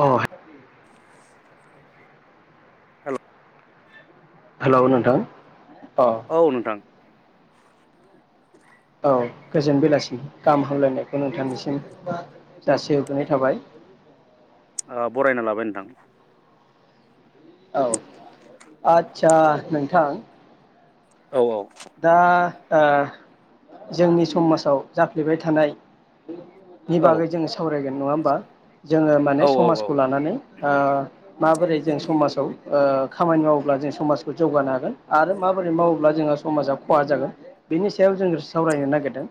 अ। हेल। हेलौ नोंथां। अ औ नोंथां। औ गोजोन बेलासिम गाहाम हामलायनायखौ नोंथांनिसिम दासि हरग्रोनाय थाबाय। बरायना लाबाय नोंथां। औ आदसा नोंथां। औ दा। ओ जोंनि समाजाव जाफ्लेबाय थानाय। नि औ बागै जोङो सावराय। नङा होमबा। जोङो माने औ औ समाजखौ औ लानानै। ओ औंमाबोरै जों समाजाव ओ खामानि मावोब्ला जों समाजखौ जौगानो हागोन आरो माबोरै मावोब्ला जोङो। समाजा खहा जागोन बेनि सायाव जों सावरायनो नागिरदों।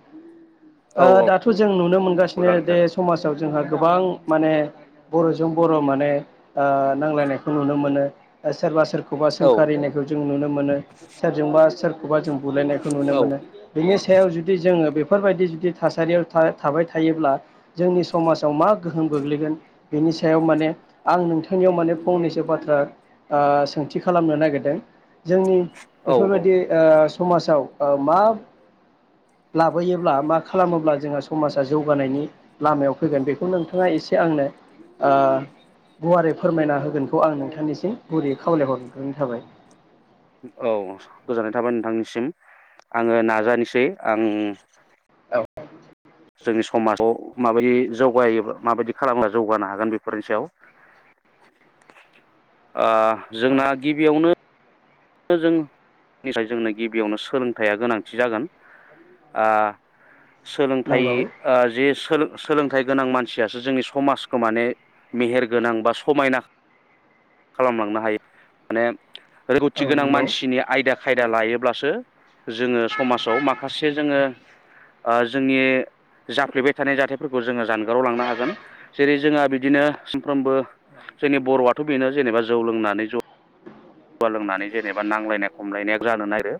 ओ औ दाथ' जों नुनो औ मोनगासिनो जागोन दे जागोन समाजाव। जोंहा गोबां माने बर'जों बर' माने ओ नांजलायनायखौ नुनो मोनो सोरबा सोरबि। खौबा औ सोंखारिनायखौ जों नुनो मोनो सोरजोंबा सोर। खौबा जों बुलायनायखौ नुनो औ मोनो बेनि। सायाव जुदि जोङो बेफोरबायदि जुदि थासारियाव थाबाय थायोब्ला जोंनि समाजाव मा गोहोम गोग्लैगोन बेनि सायाव माने आं नोंथांनियाव माने फंनैसो बाथ्रा ओ सोंथि खालामनो नागिरदों। जोंनि औ औ बेफोरबायदि। औ समाजाव ओ मा लाबोयोब्ला मा खालामोब्ला जोंहा समाजा जौगानायनि लामायाव फैगोन बेखौ नोंथाङा एसे आंनो ओ गुवारै फोरमायना होगोनखौ आं नोंथांनिसिम गुरै खावलायहरग्रोनो थाबाय। औ गोजोननाय थाबाय नोंथांनिसिम आङो नाजानोसै आं। औ औ जोंनि समाजाव माबायदि जौगायो माबायदि खालामब्ला जौगानो हागोन बेफोरनि सायाव [inaudible] आ औ जोंना गिबियावनो। ओ जों [unintelligible] जोंनो गिबियावनो सोलोंथाइया गोनांथि जागोन आ सोलोंथाइ नंगौ ओ जे सो सोलोंथाइ गोनां मानसियासो जोंनि समाजखौ माने मेहेर गोनां बा समायना खालामलांनो हायो माने। थि औ गोनां नंगौ मानसिनि आयदा खाय यदा लायोब्लासो जोङो समाजाव माखासे जोङो जोंनि जाफ्लेबाय थानाय जाथायफोरखौ जोङो जानगाराव लांनो हागोन जेरै जोंहा बिदिनो सानफ्रोमबो जोंनि बर'आथ' बेनो जेनेबा जौ लोंनानै जाै जौवा लोंनानै जेनेबा नांलायनाय खमलायनाया जानो नारो।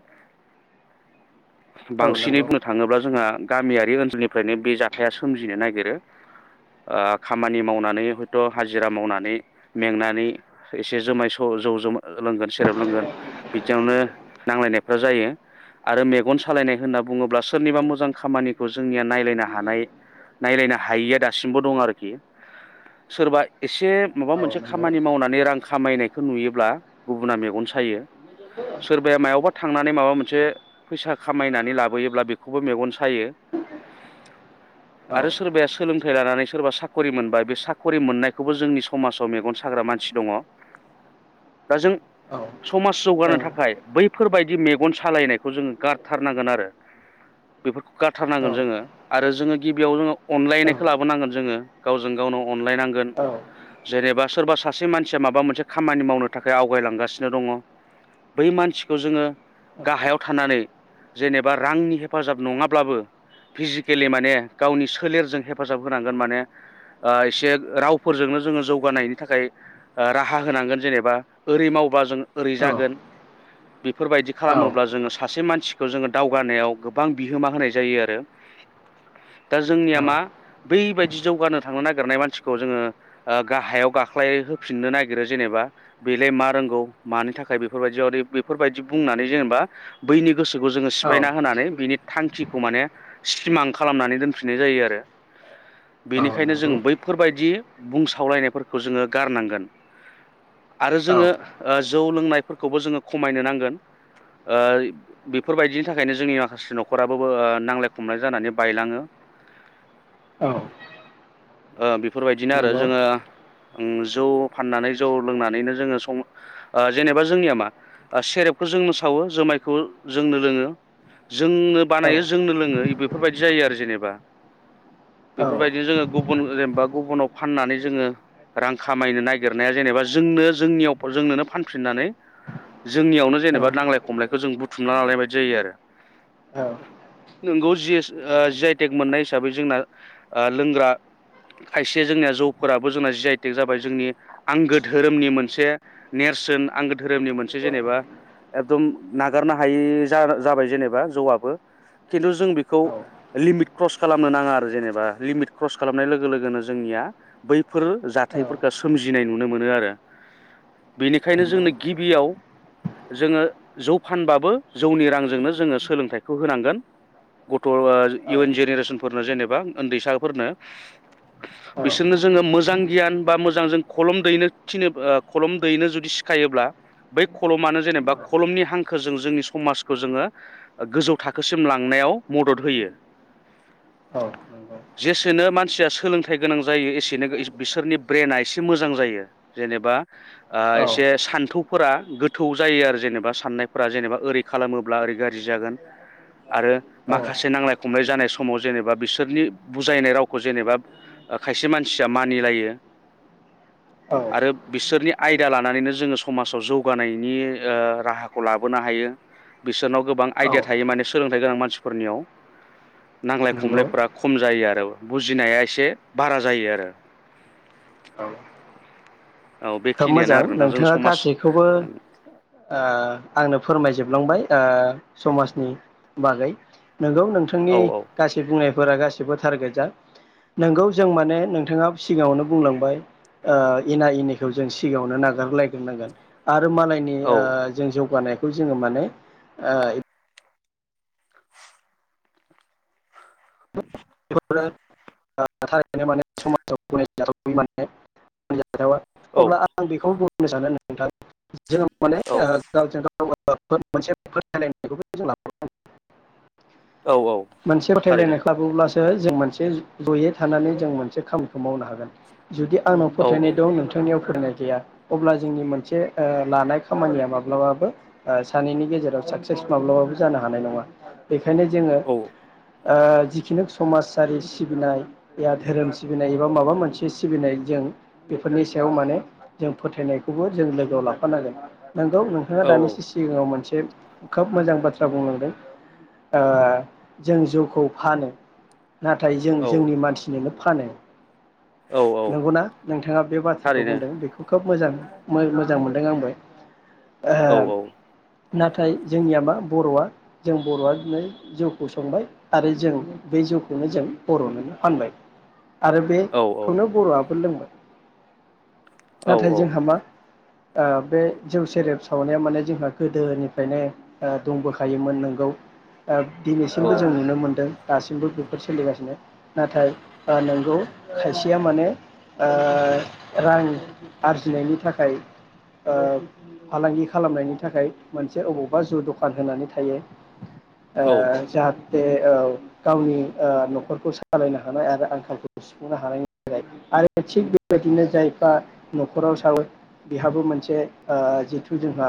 औ बांसिनै नंगौ बुंनो थाङोब्ला जोंहा गामियारि ओनसोलनिफ्रायनो बे जाथाया सोमजिनो नागिरो ओ खामानि मावनानै हयथ' हाजिरा मावनानै मेंनानै एसे जोमाय सज' जौ लोंगोन सेरेब लोंगोन बिदियावनो नांलायनायफ्रा जायो आरो मेगन सालायनाय होनना बुङोब्ला सोरनिबा औ मोजां खामानिखौ जोंनिया नायलायनो हानाय नायलायनो हायिया दासिमबो दं आरोखि सोरबा एसे माबा औ मोनसे नंगौ खामानि मावनानै रां खामायनायखौ नुयोब्ला गुबुना मेगन सायो सोरबाया मायावबा थांनानै माबा मोनसे फैसा खामायनानै लाबोयोब्ला बेखौबो मेगन सायो औ आरो सोरबाया सोलोंथाइ लानानै सोरबा साख'रि मोनबाया बे साखरि मोननायखौबो जोंनि समाजाव मेगन साग्रा मानसि दङ। दा जों औ समाज जौगानो नंगौ थाखाय बैफोरबायदि मेगन सालायनायखौ जोङो गारथारनांगोन आरो बेफोरखौ गारथारनांगोन औ जोङो आरो जोङो गिबियाव जोङो औ औ अनलायनायखौ लाबोनांगोन जोङो गावजों गावनो अनलायनांगोन औ औ जेनेबा सोरबा सासे मानसिया माबा मोनसे खामानि मावनो थाखाय आवगायलांगासिनो दङ बै मानसिखौ जोङो गाहायाव थानानै जेनेबा रांनि हेफाजाब नङाब्लाबो फिजिकेलि माने गावनि सोलेरजों हेफाजाब होनांगोन माने एसे रावफोरजोंनो जोङो जौगानायनि थाखाय ओ राहा होनांगोन जेनेबा ओरै मावबा जों ओरै जागोन बेफोरबायदि खालामोब्ला जोङो सासे मानसि खौ जोङो दावगानायाव गोबां बिहोमा होनाय जायो आरो दा जोंनिया मा बैबायदि जौगानो थांनो नागिरनाय मानसिखौ जोङो ओ गाहायाव गाख्लायहोफिननो नागिरो जेनेबा बेलाय मा रोंगौ मानि थाखाय बेफोरबायदिया बेफोरबायदि बुंनानै जेनेबा बैनि गोसोखौ जोङो सिफायना होनानै बिनि थांखिखौ माने सिमां खालामनानै दोनफिननाय जायो आरो औ बेनिखायनो जो नंगौ बैफोरबायदि बुंसावलायनायफोरखौ जोङो गारनांगोन। आरो औ जोङो ओ जौ लोंनायफोरखौबो जोङो खमायनो नांगोन ओ बेफोरबायदिनि थाखायनो जोंनि माखासे न'खराबो ओ नांलाय खमलाय जानानै बायलाङो। औ ओ बि फोरबायदिनो आरो नंगौ जोङो उम जौ फाननानै जौ लोंनानैनो जोङो सं ओ जेनेबा जोंनिया मा सेरेबखौ जोंनो सावो जोमायखौ जोंनो लोङो जोंनो औ बानायो जोंनो लोङो इबो बेफोरबायदि जायो आरो जेनेबा बेफोरबायदिनो जोङो गुब गुबुन जेनेबा गुबुनाव फाननानै जोङो रां खामायनो नागिरनाया जेनेबा जोंनो जोंनियाव जोंनोनो फानफिननानै जोंनियावनो जेनेबा नांलाय खमलायखौ जों बुथुमना लानाय बायदि जायो आरो औ नोंगौ जि जिआइटेक मोननाय हिसाबै जोंना लोंग्रा खायसे जोंनिया जौफोराबो जोंना जिआइटेक जाबाय जोंनि आंगो धोरोमनि मोनसे नेरसोन आंगो धोरोमनि मोनसे जेनेबा एकदम नागारनो हायि जाबाय जेनेबा जौआबो खिन्थु जों बेखौ औ लिमिट क्रस खालामनो नाङा आरो जेनेबा लिमिट क्रस खालामनाय लोगो लोगोनो जोंनिया बैफोर औ जाथायफोरखौ सोमजिनाय नुनो मोनो आरो बेनिखायनो जोंनो नंगौ गिबियाव जोङो जौ फानबाबो जौनि रांजोंनो जोङो सोलोंथाइखौ होनांगोन गथ ओ औ नंगौ औ इयुन जेनेरेसनफोरनो जेनेबा उन्दैसाफोरनो बिसोरनो जोङो मोजां गियान बा मोजां जों खलम दैनो थिनो ओ कलम दैनो जुदि सिखायोब्ला बै खलमानो जेनेबा कलमनि हांखो जों जोंनि समाजखौ जोङो गोजौ थाखोसिम लांनायाव मदद होयो औ जेसेनो मान सिया सोलोंथाइ गोनां जायो एसेनो गो इसो बिसोरनि ब्रेना एसे मोजां जायो। जेनेबा ओ एसे सान्थौ फोरा गोथौ जायो आरो जेनेबा साननायफोरा जेनेबा ओरै खालामोब्ला ओरै गाज्रि जागोन आरो औ माखासे नांलाय खमलाय जानाय समाव जेनेबा बिसोरनि बुजायनाय रावखौ जेनेबा ओ खायसे मानसिया मानिलायो आरो बिसोरनि आयदा लानानैनो जोङो समाजाव जौगानायनि ओ राहाखौ लाबोनो हायो बिसोरनाव गोबां आइडिया थायो माने सोलोंथाइ गोनां मानसिफोरनियाव नांलाय नंगौ खमलायफ्रा खम जायो आरो बुजिनाया एसे बारा जायो आरो औ औ खोब बेखिनियानो मोजां आरो नोंथां जों नोंथाङा समाज गासैखौबो ओ आंनो फोरमायजोबलांबाय ओ समाजनि बागै नोंगौ नोंथांनि औ औ गासै बुंनायफोरा गासै बो थार गोजा नोंगौ जों माने नोंथाङा सिगाङावनो बुंलांबाय ओ एना एनि खौ जों सिगाङावनो नागारलायग्रोनांगोन आ रो मालायनि औ ओ जों जौगानाय खौ जोङो माने ओ [inaudible] [unintelligible] थारैनो माने समाजाव गनायजाथाव [unintelligible] माने जाथावा औ अब्ला आं बेखौ बुं नो सानो नोंथां जों माने ओ गावजों गाव ओ ओ फो मोनसे फोथायलायनायखौ जों लाबोनांगोन औ औ मोनसे थारैनो फोथायलायनायखो लाबोब्लासो जों मोनसे जयै थानानै जों मोनसे खामानिखौ मावनो हागोन जुदि आंनाव औ औ फोथायनाय दं नोंथांनियाव फोथायनाय गैया अब्ला जोंनि मोनसे ओ लानाय खामानिया माब्लाबाबो ओ सानैनि गेजेराव साक्सेस माब्लाबाबो जानो हानाय नङा, बे खायनो जोङो औ ओ जिखिनु समाजारि सिबिनाय या धोरोम सिबिनाय एबा माबा मोनसे सिबिनाय जों बेफोरनि सायाव माने जों फोथायनायखौबो जों लोगोआव लाफानांगोन। नोंगौ नोंथाङा औ दानिसो सिगाङाव मोनसे खोब मोजां बाथ्रा बुंलांदों ओ जों जौखौ फानो नाथाय जों औ जोंनि मानसिनोनो फानो औ औ नंगौना नोंथांङा बे बाथ्राखौ थारैनो बुंदों बेखौ खोब मोजां मोजां मोनदों आंबो औ ओहो औ नाथाय जोंनिया मा बरआ जों बरआ दिनै जौखौ संबाय आरो जों बे जौखौ बे खौनो जों बरनो फानबाय आरो औ बेखौनो बरआबो लोंबाय औ नाथाय जोंहा मा ओ बे जौ सेरेब सावनाया माने जोंहा गोदोनिफ्रायनो दंबोखायोमोन नोंगौ ओ‌ औ दिनैसिमबो जों नुनो मोनदों दासिमबो फोर सोलिगासिनो नाथाय ओ नोंगौ खायसेया माने ओ‌ रां आरजिनायनि थाखाय ओ फालांगि खालामनायनि थाखाय मोनसे अबावबा जौ दखान होनानै थायो। ओ औ जख बे औ गावनि ओ नखरखौ सालायनो हानाय आरो आंखालखौ सुफुंनो हानायनि थाखाय आरो थिग बेबायदिनो जायफ्रा नखराव सावो बेहाबो मोनसे ओ जिथु जोंहा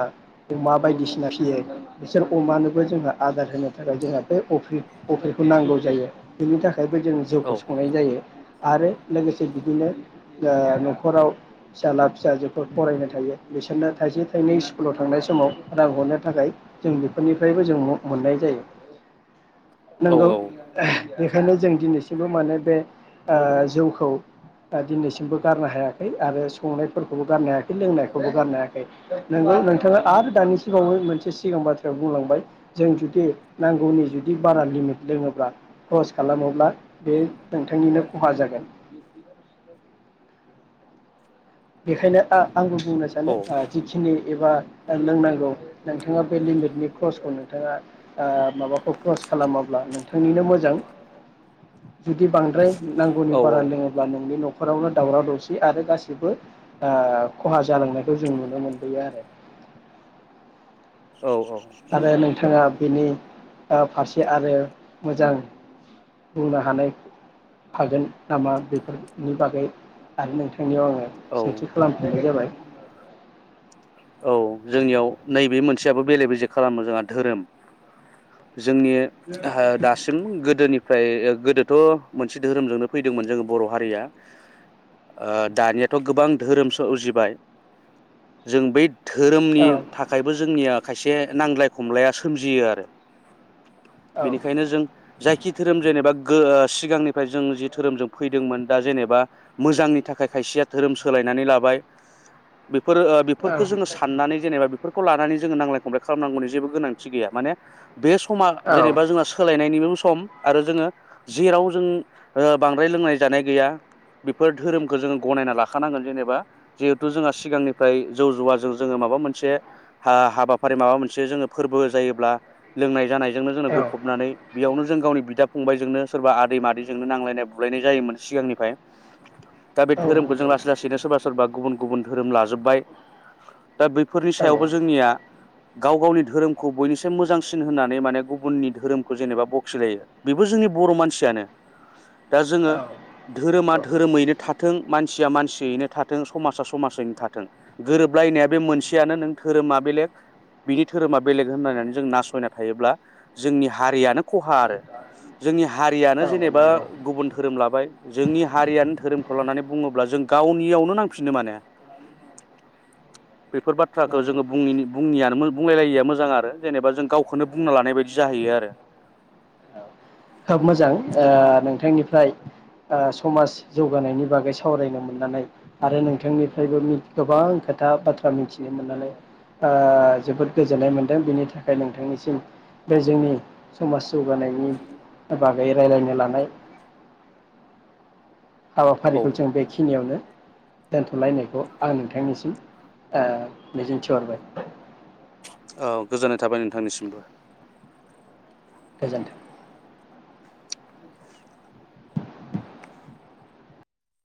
अमा बायदिसिना फियो बिसोर अमानोबो जोंहा आदार होनो थाखाय जोंहा बे अफ्रि अफ्रिखौ नांगौ जायो। बिनिथा बेबायदिनो जौखौ संनाय जायो आरो लोगोसे बिदिनो ओ नखराव फिसाला फिसाजो फरायनाय थायो बिसोरनो थाइसे थाइनै स्कुलाव थांनाय समाव रां हरनो थाखाय जों बेफोरनिफ्रायबो जों मोननाय जायो। नोंगौ बेखायनो जों दिनैसिमबो माने बे ओ जौखौ दिनैसिमबो गारनो हायाखै आरो संनायफोरखौबो गारनो हायाखै लोंनायखौबो गारनो हायाखै नोंगौ नोंथांङा आरो दानिसिमावबो मोनसे सिगां बाथ्राया बुंलांबाय जों जुदि नांगौनि जुदि बारा लिमिट लोंङोब्ला। खस खालामोब्ला बे नोंथांनिनो खहा जागोन। बेखायनो आ आंबो बुंनो सानो जिखिनि एबा लोंनांगौ नोंथांङा बे लिमिटनि क्रसखौ नोंथांङा माबाखौ क्रस खालामाब्ला नोंथांनिनो मोजां जुदि बांद्राय नांगौनि बारा लोंङोब्ला नोंनि नर नखरावनो दावराव दावसि आरो गासिबो खहा जालांनायखौ जों नुनो मोनबोयो आरो औ-औ आरो नोंथाङा बेनि ओ फारसे आरो मोजां बुंनो हानाय हागोन नामा बेफोरनि बागै आरो नोंथां बेनियाव आंङो औ सोंथि खालामफिननाय जाबाय औ जोंनियाव नैबे मोनसेयाबो बेले बेजे खालामो जोंहा धोरोम जोंनि ओहो दासिम गोदोनि ओमफ्राय गोदोथ मोनसे धोरोमजोंनो फैदोंमोन जोंङो बर हारिया दानियाथ गोबां धोरोमसो उजिबाय जों बै धोरोमनि औ थाखायबो जोंनिया खायसे नांज्लाय खमलाया सोमजियो आरो औ बेनिखायनो जों जायखि धोरोम जेनेबा सिगांनिफ्राय जों जि धोरोमजों फैदोंमोन दा जेनेबा मोजांनि थाखाय खायसेया धोरोम सोलायनानै लाबाय बेफोर औ फोरखो जोङो साननानै जेनेबा बेफोर खौ लानानै जोङो नांलाय खमलाय खालामनांगौनि जेबो गोनांथि गैया माने बे समा औ जेनेबा जोंहा सोलायनायनि नो सम आरो जोङो जेराव जों बांद्राय लोंनाय जानाय गैया बेफोर धोरोमखौ जोङो गनायना लाखानांगोन जेनेबा जिहेथु जोंहा सिगांनिफ्राय जौ जुवाजों जोङो माबा मोनसे हाबाफारि माबा मोनसे जोङो फोरबो जायोब्ला लोंनाय जानाय जोंनो जोंनो गफबनानै बेयावनो जों गावनि बिदा फंबायजोंनो सोरबा आदै मादैजोंनो नांलायनाय बुलायनाय जायोमोन सिगांनिफ्राय दा बे औ धोरोमखौ जों लासै लासैनो सोरबा सोरबा गुबुन गुबुन धोरोम लाजोबबाय [unintelligible] दा बैफोरनि नंगौ सायावबो जोंनिया गाव गावनि धोरोमखौ बयनिस्रम मोजांसिन होननानै माने गुबुननि धोरोमखौ जेनेबा बखिलायो बेबो जोंनि बर' मानसियानो दा जोङो औ धोरोमा नंगौ धोरोमैनो थाथों मानसिया मानसियैनो थाथों समाजा समाजैनो थाथों गोरोबलायनाया बे मोनसेयानो नों धोरोमा बेलेग बिनि धोरोमा बेलेग होननानै जों नासयना थायोब्ला जोंनि हारियानो खहा आरो जोंनि हारिया नो औ जेनेबा नंगौ गुबुन धोरोम लाबाय जोंनि हारियानो धोरोमखौ लानानै बुङोब्ला जों गावनियावनो नांफिनो माने बेफोर बाथ्राखौ नंगौ जोङो बुंयिनि बुङियानो मो बुंलायलायिया मोजां आरो जेनेबा जों गावखौनो बुंना लानाय बायदि जाहैयो आरो खोब मोजां नोंथांनिफ्राय समाज जौगानायनि बागै सावरायनो मोननानै आरो नोंथांनिफ्रायबो गोबां खोथा बाथ्रा मिथिनो मोननानै जोबोद गोजोननाय मोनदों बेनि थाखाय नोंथांनिसिम बे जोंनि समाज जौगानायनि बागै रायलायनो लानाय औ हाबाफारिखौ जों बेखिनियावनो दोनथ'लायनायखौ आं नोंथांनिसिम मिजिंथिहरबाय औ गोजोननाय थाबाय नोंथांनिसिमबो गोजोन्थों